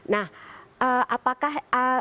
nah apakah dengan alasan